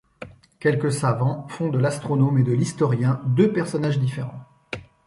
Quelques savants font de l'astronome et de l'historien deux personnages différents.